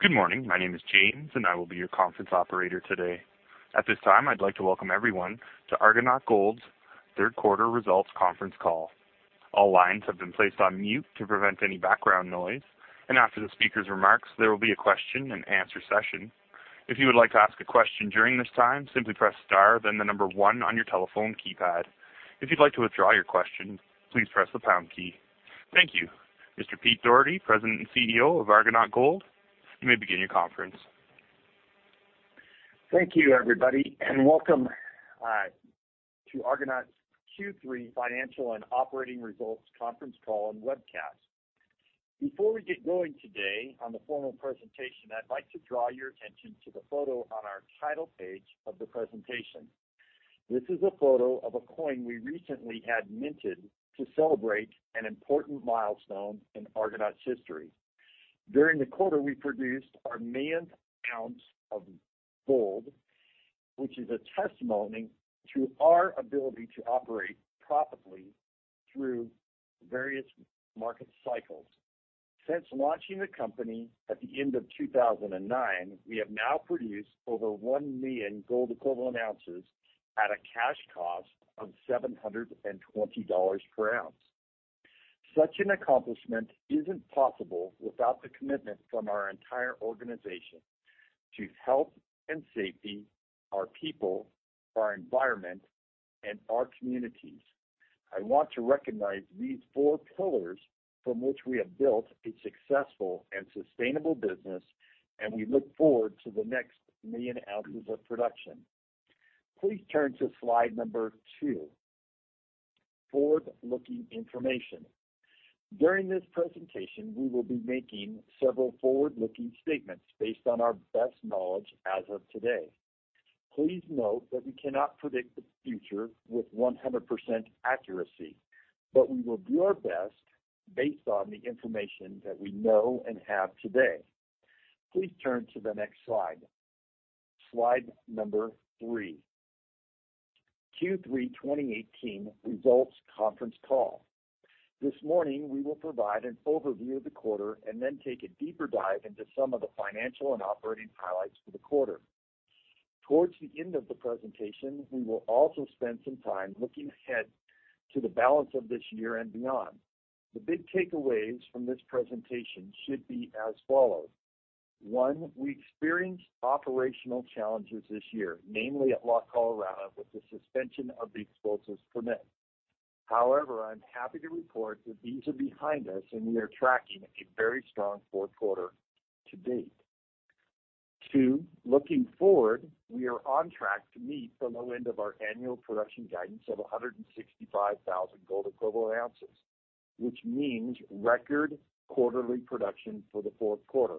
Good morning. My name is James, and I will be your conference operator today. At this time, I'd like to welcome everyone to Argonaut Gold's Third Quarter Results Conference Call. All lines have been placed on mute to prevent any background noise, and after the speaker's remarks, there will be a question-and-answer session. If you would like to ask a question during this time, simply press star, then the number one on your telephone keypad. If you'd like to withdraw your question, please press the pound key. Thank you. Mr. Pete Dougherty, President and CEO of Argonaut Gold, you may begin your conference. Thank you, everybody, and welcome to Argonaut's Q3 Financial and Operating Results Conference Call and Webcast. Before we get going today on the formal presentation, I'd like to draw your attention to the photo on our title page of the presentation. This is a photo of a coin we recently had minted to celebrate an important milestone in Argonaut's history. During the quarter, we produced our millionth ounce of gold, which is a testimony to our ability to operate profitably through various market cycles. Since launching the company at the end of 2009, we have now produced over 1 million Gold Equivalent Ounces at a cash cost of $720 per ounce. Such an accomplishment isn't possible without the commitment from our entire organization to health and safety, our people, our environment, and our communities. I want to recognize these four pillars from which we have built a successful and sustainable business, and we look forward to the next million ounces of production. Please turn to slide number two, forward-looking information. During this presentation, we will be making several forward-looking statements based on our best knowledge as of today. Please note that we cannot predict the future with 100% accuracy, but we will do our best based on the information that we know and have today. Please turn to the next slide number three, Q3 2018 Results Conference Call. This morning, we will provide an overview of the quarter and then take a deeper dive into some of the financial and operating highlights for the quarter. Towards the end of the presentation, we will also spend some time looking ahead to the balance of this year and beyond. The big takeaways from this presentation should be as follows. One. We experienced operational challenges this year, namely at La Colorada, with the suspension of the explosives permit. However, I'm happy to report that these are behind us, and we are tracking a very strong fourth quarter to date. Two. Looking forward, we are on track to meet the low end of our annual production guidance of 165,000 Gold Equivalent Ounces, which means record quarterly production for the fourth quarter.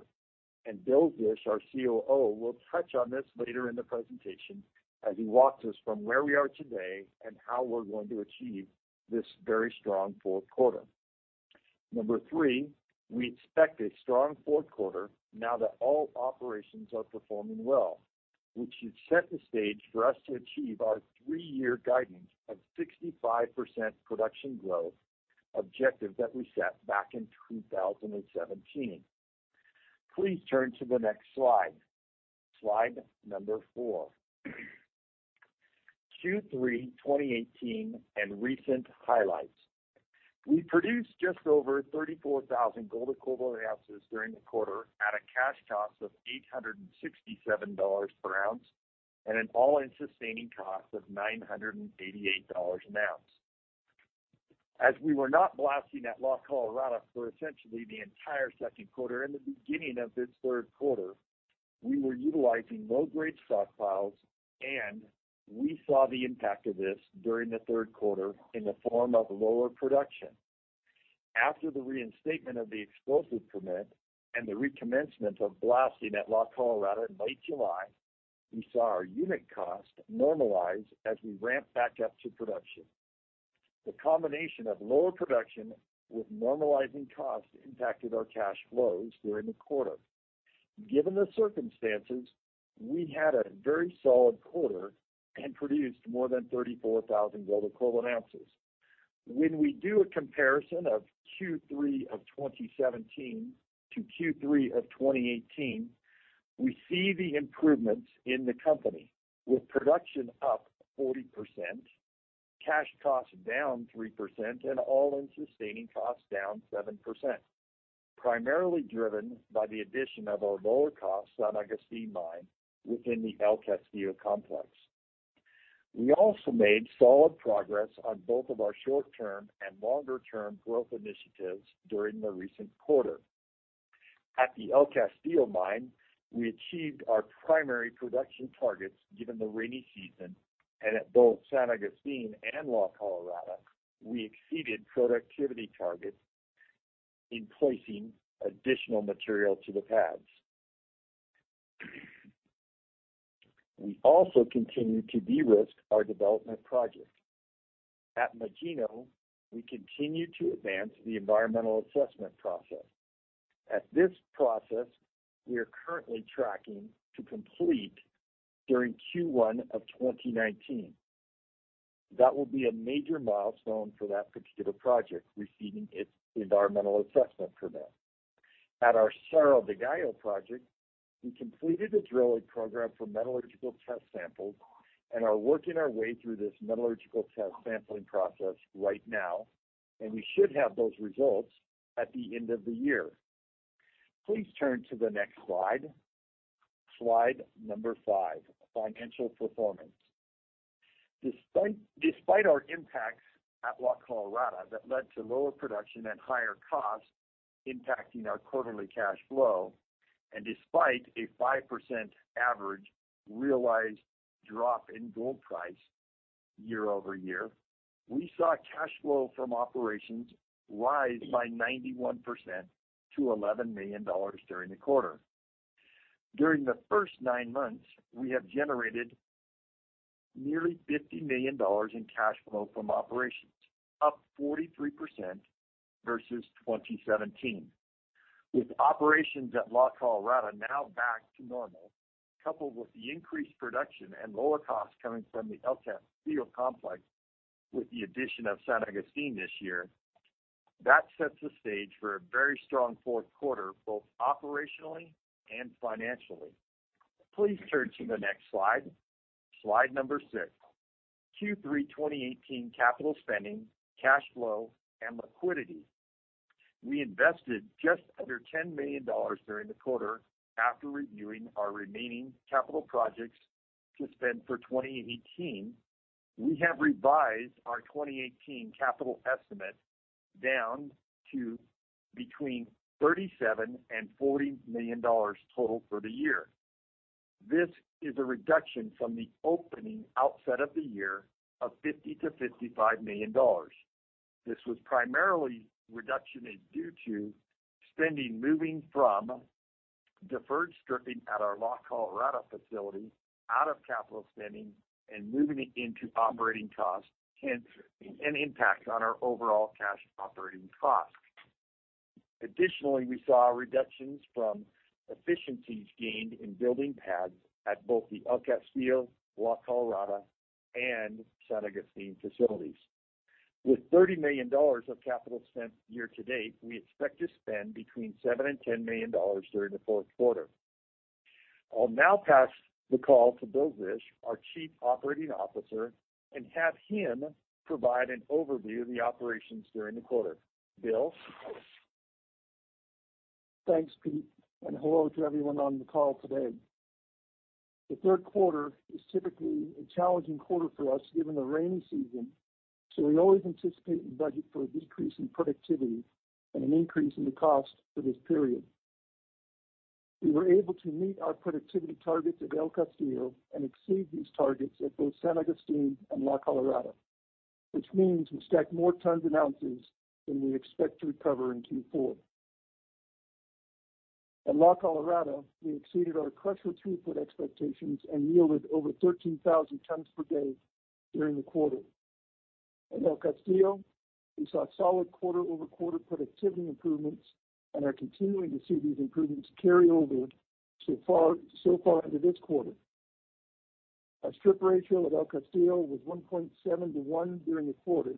Bill Zisch, our COO, will touch on this later in the presentation as he walks us from where we are today and how we're going to achieve this very strong fourth quarter. Number three, we expect a strong fourth quarter now that all operations are performing well, which should set the stage for us to achieve our three-year guidance of 65% production growth objective that we set back in 2017. Please turn to the next slide number four, Q3 2018 and recent highlights. We produced just over 34,000 Gold Equivalent Ounces during the quarter at a cash cost of $867 per ounce and an all-in sustaining cost of $988 an ounce. As we were not blasting at La Colorada for essentially the entire second quarter and the beginning of this third quarter, we were utilizing low-grade stockpiles, and we saw the impact of this during the third quarter in the form of lower production. After the reinstatement of the explosive permit and the recommencement of blasting at La Colorada in late July, we saw our unit cost normalize as we ramp back up to production. The combination of lower production with normalizing costs impacted our cash flows during the quarter. Given the circumstances, we had a very solid quarter and produced more than 34,000 Gold Equivalent Ounces. When we do a comparison of Q3 of 2017 to Q3 of 2018, we see the improvements in the company with production up 40%, cash costs down 3%, and all-in sustaining costs down 7%, primarily driven by the addition of our lower-cost San Agustin mine within the El Castillo complex. We also made solid progress on both of our short-term and longer-term growth initiatives during the recent quarter. At the El Castillo mine, we achieved our primary production targets given the rainy season, and at both San Agustin and La Colorada, we exceeded productivity targets in placing additional material to the pads. We also continue to de-risk our development project. At Magino, we continue to advance the environmental assessment process. At this process, we are currently tracking to complete during Q1 of 2019. That will be a major milestone for that particular project, receiving its environmental assessment permit. At our Cerro del Gallo project, we completed a drilling program for metallurgical test samples and are working our way through this metallurgical test sampling process right now, and we should have those results at the end of the year. Please turn to the next slide. Slide number five, financial performance. Despite our impacts at La Colorada that led to lower production and higher costs impacting our quarterly cash flow, and despite a 5% average realized drop in gold price year-over-year, we saw cash flow from operations rise by 91% to $11 million during the quarter. During the first nine months, we have generated nearly $50 million in cash flow from operations, up 43% versus 2017. With operations at La Colorada now back to normal, coupled with the increased production and lower costs coming from the El Castillo complex, with the addition of San Agustin this year, that sets the stage for a very strong fourth quarter, both operationally and financially. Please turn to the next slide. Slide number six, Q3 2018 capital spending, cash flow, and liquidity. We invested just under $10 million during the quarter after reviewing our remaining capital projects to spend for 2018. We have revised our 2018 capital estimate down to between $37 million and $40 million total for the year. This is a reduction from the opening outset of the year of $50 million to $55 million. This was primarily reduction due to spending moving from deferred stripping at our La Colorada facility out of capital spending and moving it into operating costs, hence an impact on our overall cash operating costs. Additionally, we saw reductions from efficiencies gained in building pads at both the El Castillo, La Colorada, and San Agustin facilities. With $30 million of capital spent year to date, we expect to spend between $7 million and $10 million during the fourth quarter. I will now pass the call to Bill Zisch, our Chief Operating Officer, and have him provide an overview of the operations during the quarter. Bill? Thanks, Pete, and hello to everyone on the call today. The third quarter is typically a challenging quarter for us given the rainy season. We always anticipate and budget for a decrease in productivity and an increase in the cost for this period. We were able to meet our productivity targets at El Castillo and exceed these targets at both San Agustin and La Colorada, which means we stacked more tons and ounces than we expect to recover in Q4. At La Colorada, we exceeded our crusher throughput expectations and yielded over 13,000 tons per day during the quarter. At El Castillo, we saw solid quarter-over-quarter productivity improvements and are continuing to see these improvements carry over so far into this quarter. Our strip ratio at El Castillo was 1.7:1 during the quarter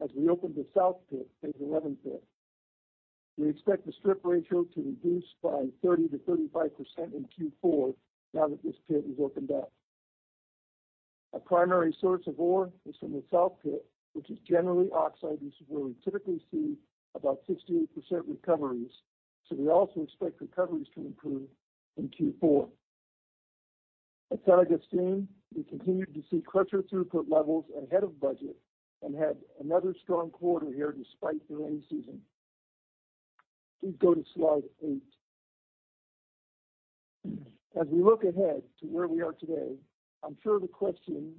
as we opened the south pit, phase XI pit. We expect the strip ratio to reduce by 30%-35% in Q4 now that this pit is opened up. Our primary source of ore is from the south pit, which is generally oxide. This is where we typically see about 68% recoveries. We also expect recoveries to improve in Q4. At San Agustin, we continued to see crusher throughput levels ahead of budget and had another strong quarter here despite the rainy season. Please go to slide eight. As we look ahead to where we are today, I am sure the question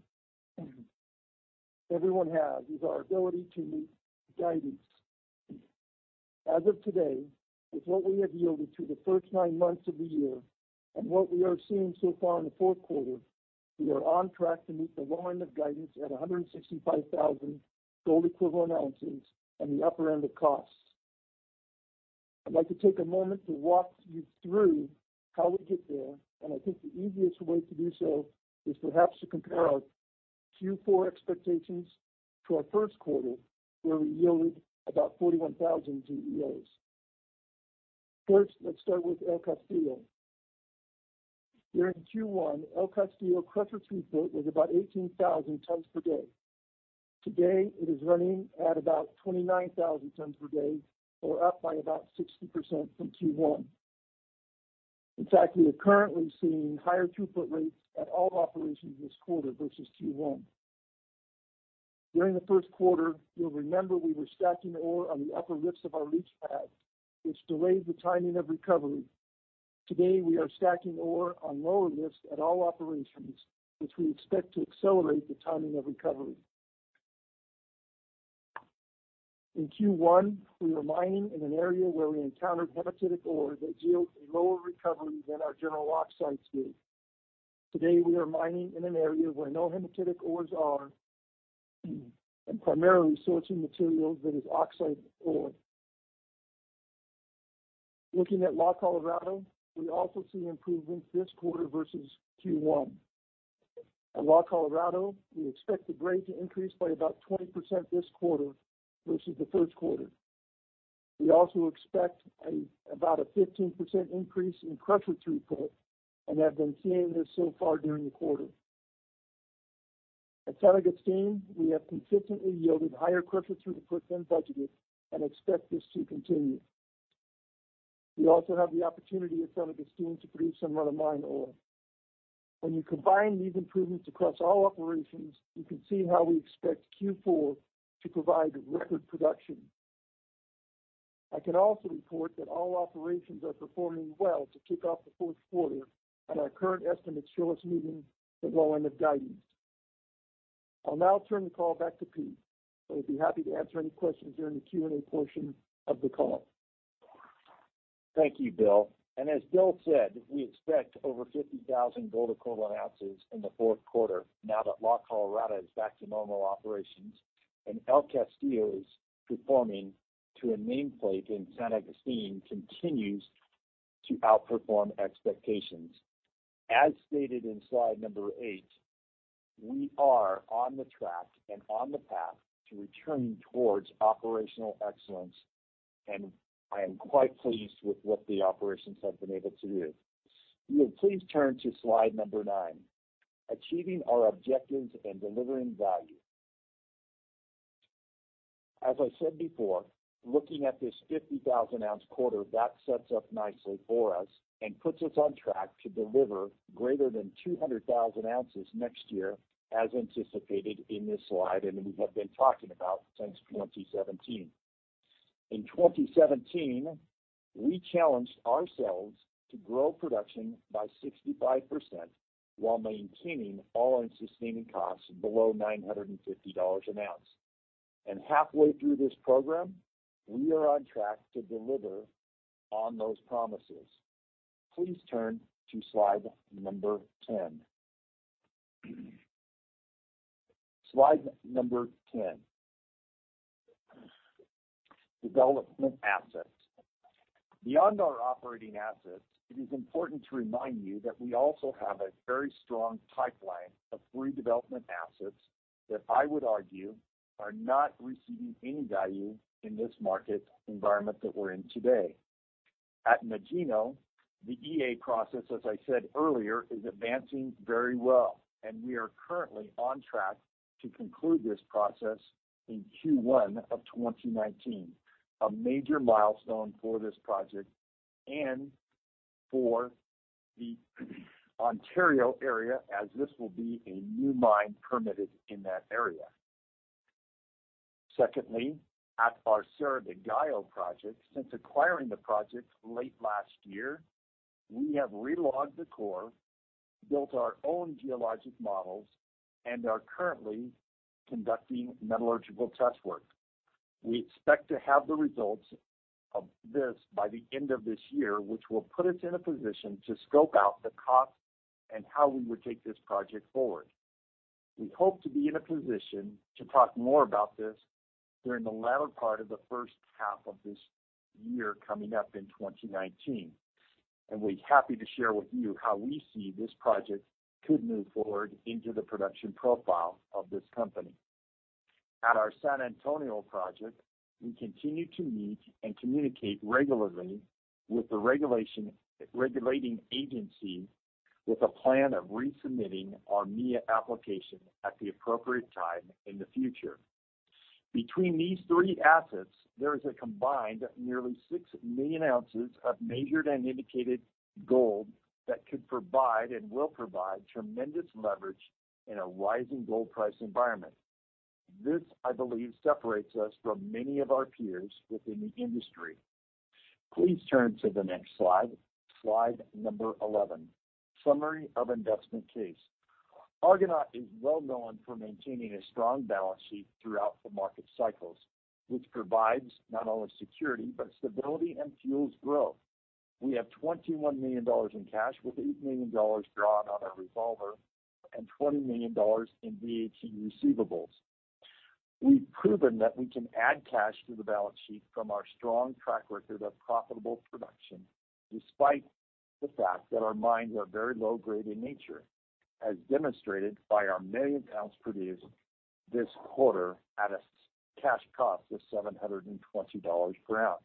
everyone has is our ability to meet guidance. As of today, with what we have yielded through the first nine months of the year and what we are seeing so far in the fourth quarter, we are on track to meet the low end of guidance at 165,000 Gold Equivalent Ounces and the upper end of costs. I would like to take a moment to walk you through how we get there. I think the easiest way to do so is perhaps to compare our Q4 expectations to our first quarter, where we yielded about 41,000 GEOs. First, let us start with El Castillo. During Q1, El Castillo crusher throughput was about 18,000 tons per day. Today, it is running at about 29,000 tons per day or up by about 60% from Q1. In fact, we are currently seeing higher throughput rates at all operations this quarter versus Q1. During the first quarter, you will remember we were stacking ore on the upper lifts of our leach pad, which delayed the timing of recovery. Today, we are stacking ore on lower lifts at all operations, which we expect to accelerate the timing of recovery. In Q1, we were mining in an area where we encountered hematitic ore that yields a lower recovery than our general oxides do. Today, we are mining in an area where no hematitic ores are and primarily sourcing material that is oxide ore. Looking at La Colorada, we also see improvements this quarter versus Q1. At La Colorada, we expect the grade to increase by about 20% this quarter versus the first quarter. We also expect about a 15% increase in crusher throughput and have been seeing this so far during the quarter. At San Agustin, we have consistently yielded higher crusher throughput than budgeted and expect this to continue. We also have the opportunity at San Agustin to produce some run-of-mine ore. When you combine these improvements across all operations, you can see how we expect Q4 to provide record production. I can also report that all operations are performing well to kick off the fourth quarter, and our current estimates show us meeting the low end of guidance. I'll now turn the call back to Pete, who will be happy to answer any questions during the Q&A portion of the call. Thank you, Bill. As Bill said, we expect over 50,000 Gold Equivalent Ounces in the fourth quarter now that La Colorada is back to normal operations and El Castillo is performing to a nameplate and San Agustin continues to outperform expectations. As stated in slide number eight, we are on the track and on the path to returning towards operational excellence, I am quite pleased with what the operations have been able to do. Will you please turn to slide number nine, achieving our objectives and delivering value. As I said before, looking at this 50,000-ounce quarter, that sets up nicely for us and puts us on track to deliver greater than 200,000 ounces next year, as anticipated in this slide and we have been talking about since 2017. In 2017, we challenged ourselves to grow production by 65% while maintaining all-in sustaining costs below $950 an ounce. Halfway through this program, we are on track to deliver on those promises. Please turn to slide number 10. Slide number 10. Development assets. Beyond our operating assets, it is important to remind you that we also have a very strong pipeline of three development assets that I would argue are not receiving any value in this market environment that we're in today. At Magino, the EA process, as I said earlier, is advancing very well, we are currently on track to conclude this process in Q1 of 2019, a major milestone for this project and for the Ontario area as this will be a new mine permitted in that area. Secondly, at our Cerro del Gallo project, since acquiring the project late last year, we have relogged the core, built our own geologic models, and are currently conducting metallurgical test work. We expect to have the results of this by the end of this year, which will put us in a position to scope out the cost and how we would take this project forward. We hope to be in a position to talk more about this during the latter part of the first half of this year coming up in 2019. We're happy to share with you how we see this project could move forward into the production profile of this company. At our San Antonio project, we continue to meet and communicate regularly with the regulating agency, with a plan of resubmitting our MIA application at the appropriate time in the future. Between these three assets, there is a combined nearly six million ounces of measured and indicated gold that could provide and will provide tremendous leverage in a rising gold price environment. This, I believe, separates us from many of our peers within the industry. Please turn to the next slide. Slide number 11, summary of investment case. Argonaut is well known for maintaining a strong balance sheet throughout the market cycles, which provides not only security but stability and fuels growth. We have $21 million in cash, with $8 million drawn on our revolver and $20 million in VAT receivables. We've proven that we can add cash to the balance sheet from our strong track record of profitable production, despite the fact that our mines are very low grade in nature, as demonstrated by our million ounces produced this quarter at a cash cost of $720 per ounce.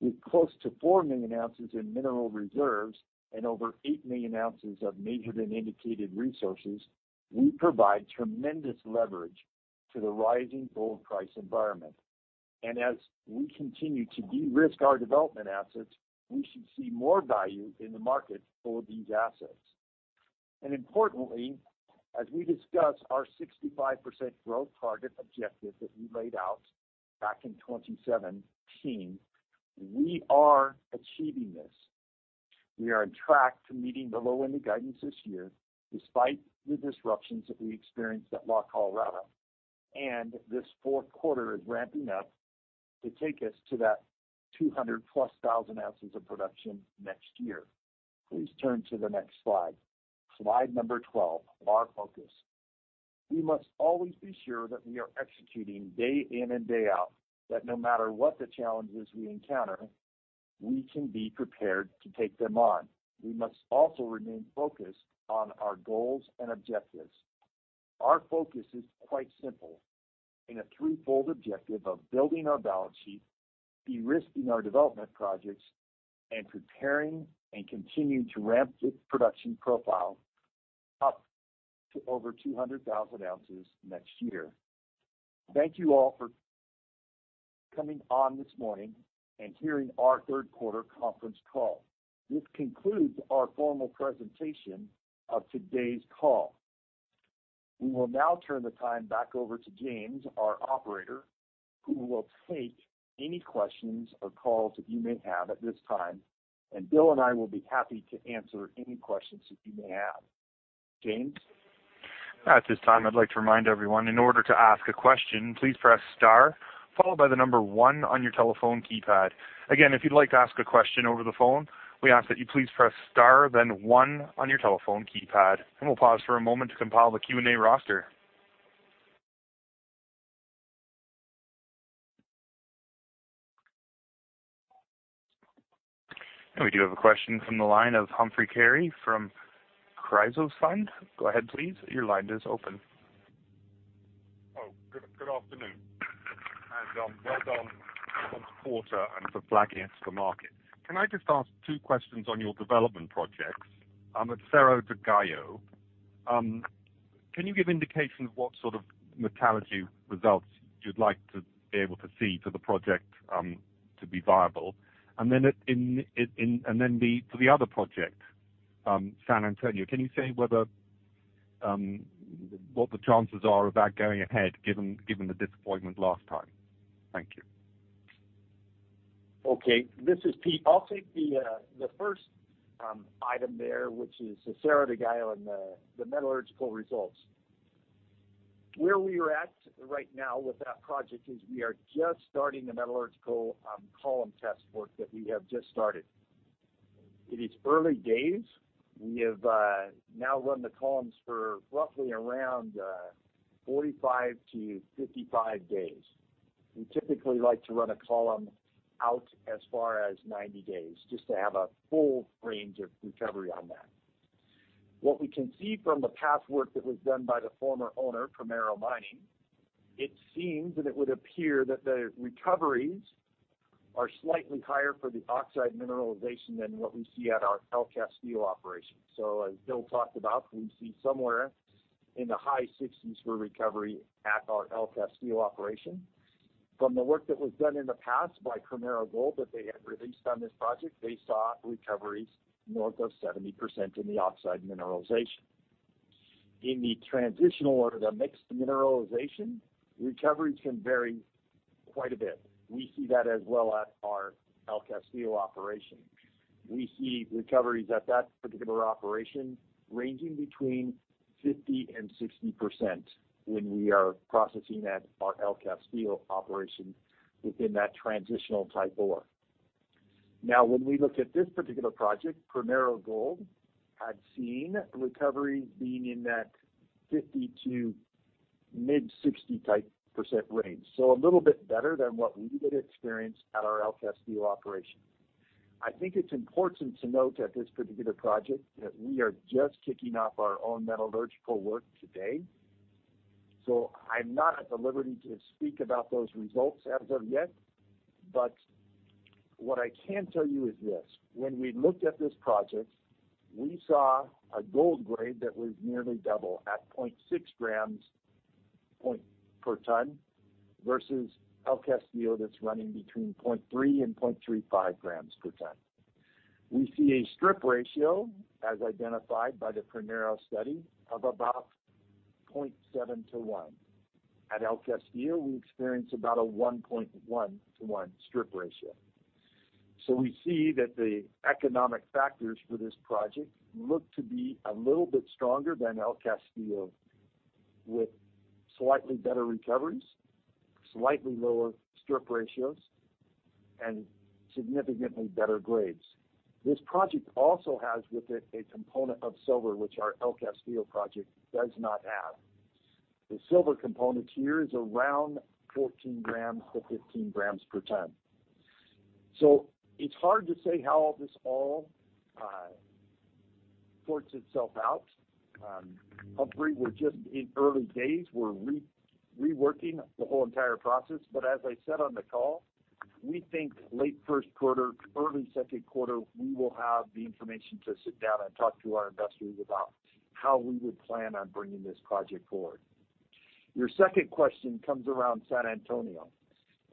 With close to 4 million ounces in mineral reserves and over 8 million ounces of measured and indicated resources, we provide tremendous leverage to the rising gold price environment. As we continue to de-risk our development assets, we should see more value in the market for these assets. Importantly, as we discuss our 65% growth target objective that we laid out back in 2017, we are achieving this. We are on track to meeting the low-end guidance this year, despite the disruptions that we experienced at La Colorada. This fourth quarter is ramping up to take us to that 200,000+ ounces of production next year. Please turn to the next slide. Slide number 12, our focus. We must always be sure that we are executing day in and day out, that no matter what the challenges we encounter, we can be prepared to take them on. We must also remain focused on our goals and objectives. Our focus is quite simple, in a threefold objective of building our balance sheet, de-risking our development projects, and preparing and continuing to ramp the production profile up to over 200,000 ounces next year. Thank you all for coming on this morning and hearing our third quarter conference call. This concludes our formal presentation of today's call. We will now turn the time back over to James, our operator, who will take any questions or calls that you may have at this time. Bill and I will be happy to answer any questions that you may have. James? At this time, I'd like to remind everyone, in order to ask a question, please press star followed by the number one on your telephone keypad. Again, if you'd like to ask a question over the phone, we ask that you please press star, then one on your telephone keypad. We'll pause for a moment to compile the Q&A roster. We do have a question from the line of Humphrey Carey from Chrysos Fund. Go ahead, please. Your line is open. Good afternoon. Well done on the quarter and for flagging it to the market. Can I just ask two questions on your development projects? At Cerro del Gallo, can you give indication of what sort of metallurgy results you'd like to be able to see for the project to be viable? Then for the other project, San Antonio, can you say what the chances are of that going ahead given the disappointment last time? Thank you. This is Pete. I'll take the first item there, which is Cerro del Gallo and the metallurgical results. Where we are at right now with that project is we are just starting the metallurgical column test work that we have just started. It is early days. We have now run the columns for roughly around 45-55 days. We typically like to run a column out as far as 90 days, just to have a full range of recovery on that. What we can see from the past work that was done by the former owner, Primero Mining, it seems, and it would appear that the recoveries are slightly higher for the oxide mineralization than what we see at our El Castillo operation. As Bill talked about, we see somewhere in the high 60% for recovery at our El Castillo operation. From the work that was done in the past by Primero Mining that they had released on this project, they saw recoveries north of 70% in the oxide mineralization. In the transitional or the mixed mineralization, recoveries can vary quite a bit. We see that as well at our El Castillo operation. We see recoveries at that particular operation ranging between 50%-60% when we are processing at our El Castillo operation within that transitional type ore. When we look at this particular project, Primero Mining had seen recoveries being in that 50%-mid 60% type range. A little bit better than what we would experience at our El Castillo operation. I think it's important to note at this particular project that we are just kicking off our own metallurgical work today. I'm not at the liberty to speak about those results as of yet. What I can tell you is this. When we looked at this project, we saw a gold grade that was nearly double at 0.6 grams per ton versus El Castillo that's running between 0.3 and 0.35 grams per ton. We see a strip ratio as identified by the Primero study of about 0.7:1. At El Castillo, we experience about a 1.1:1 strip ratio. We see that the economic factors for this project look to be a little bit stronger than El Castillo, with slightly better recoveries, slightly lower strip ratios, and significantly better grades. This project also has with it a component of silver, which our El Castillo project does not have. The silver component here is around 14 grams to 15 grams per ton. It's hard to say how this all sorts itself out. Humphrey, we're just in early days. We're reworking the whole entire process. As I said on the call, we think late first quarter to early second quarter, we will have the information to sit down and talk to our investors about how we would plan on bringing this project forward. Your second question comes around San Antonio.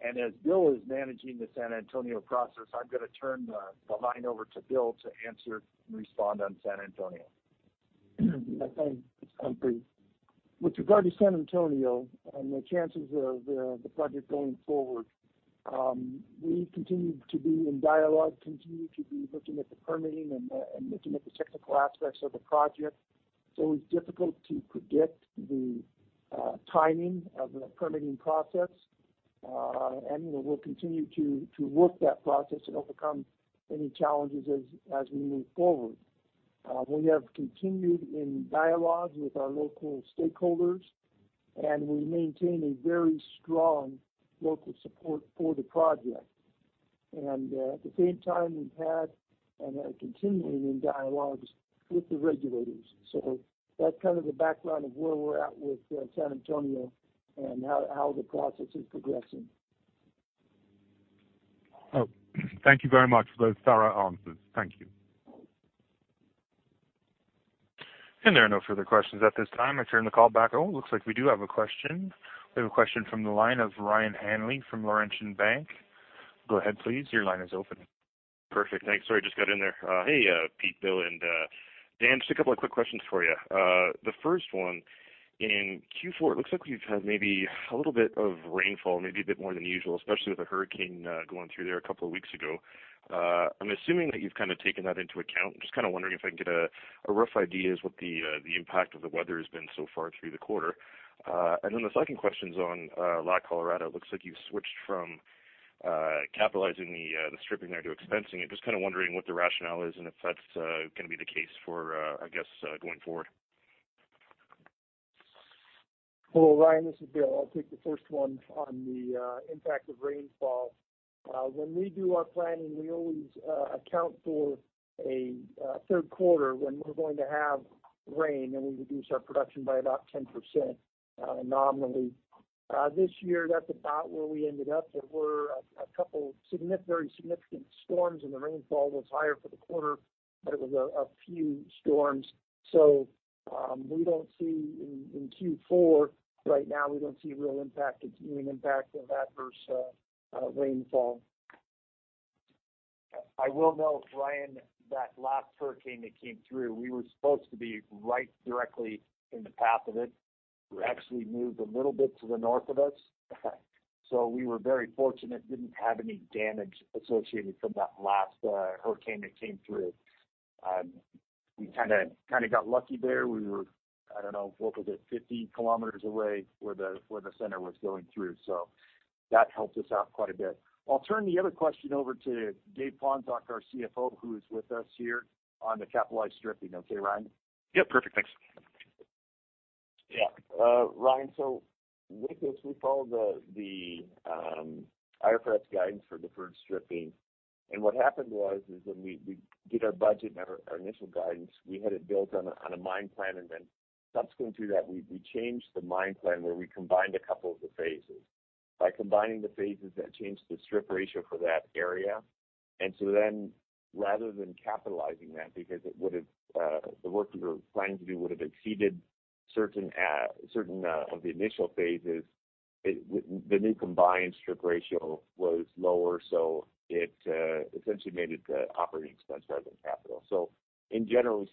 As Bill is managing the San Antonio process, I'm going to turn the line over to Bill to answer and respond on San Antonio. Thank you, Humphrey. With regard to San Antonio and the chances of the project going forward, we continue to be in dialogue, continue to be looking at the permitting and looking at the technical aspects of the project. It's difficult to predict the Timing of the permitting process. We'll continue to work that process and overcome any challenges as we move forward. We have continued in dialogue with our local stakeholders, and we maintain a very strong local support for the project. At the same time, we've had and are continuing in dialogues with the regulators. That's kind of the background of where we're at with San Antonio and how the process is progressing. Thank you very much for those thorough answers. Thank you. There are no further questions at this time. I turn the call back. Looks like we do have a question. We have a question from the line of Ryan Hanley from Laurentian Bank. Go ahead, please. Your line is open. Perfect. Thanks. Sorry, just got in there. Hey, Pete, Bill, and Dave, just a couple of quick questions for you. The first one, in Q4, it looks like we've had maybe a little bit of rainfall, maybe a bit more than usual, especially with the hurricane going through there a couple of weeks ago. I'm assuming that you've kind of taken that into account. I'm just kind of wondering if I can get a rough idea as what the impact of the weather has been so far through the quarter. The second question is on La Colorada. It looks like you've switched from capitalizing the stripping there to expensing it. Just kind of wondering what the rationale is and if that's going to be the case for, going forward. Hello, Ryan. This is Bill. I'll take the first one on the impact of rainfall. When we do our planning, we always account for a third quarter when we're going to have rain, and we reduce our production by about 10% nominally. This year, that's about where we ended up. There were a couple very significant storms, and the rainfall was higher for the quarter, but it was a few storms. We don't see in Q4 right now, we don't see real impact. It's an impact of adverse rainfall. I will note, Ryan, that last hurricane that came through, we were supposed to be right directly in the path of it. It actually moved a little bit to the north of us, so we were very fortunate. Didn't have any damage associated from that last hurricane that came through. We kind of got lucky there. We were, I don't know, what was it, 50 km away where the center was going through. That helped us out quite a bit. I'll turn the other question over to Dave Ponczoch, our CFO, who is with us here on the capitalized stripping. Okay, Ryan? Yep. Perfect. Thanks. Yeah. Ryan, with this, we follow the IFRS guidance for deferred stripping. What happened was is when we did our budget and our initial guidance, we had it built on a mine plan, subsequent to that, we changed the mine plan where we combined a couple of the phases. By combining the phases, that changed the strip ratio for that area. Rather than capitalizing that, because the work we were planning to do would have exceeded certain of the initial phases, the new combined strip ratio was lower, it essentially made it operating expense rather than capital. In general,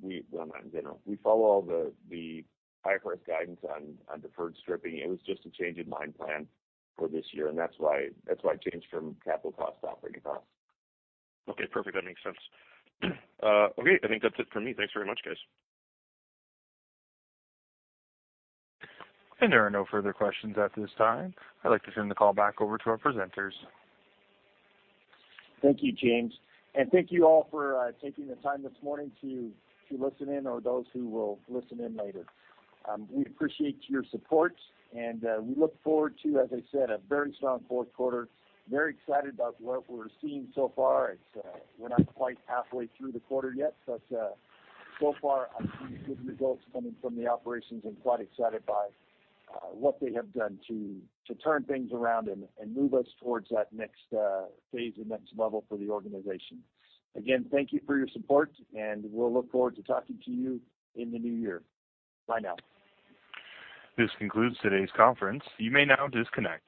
we follow all the IFRS guidance on deferred stripping. It was just a change in mine plan for this year, that's why it changed from capital cost to operating cost. Okay, perfect. That makes sense. Okay, I think that's it for me. Thanks very much, guys. There are no further questions at this time. I'd like to turn the call back over to our presenters. Thank you, James. Thank you all for taking the time this morning to listen in or those who will listen in later. We appreciate your support, and we look forward to, as I said, a very strong fourth quarter. Very excited about what we're seeing so far. We're not quite halfway through the quarter yet, but so far I'm seeing good results coming from the operations and quite excited by what they have done to turn things around and move us towards that next phase and next level for the organization. Again, thank you for your support, and we'll look forward to talking to you in the new year. Bye now. This concludes today's conference. You may now disconnect.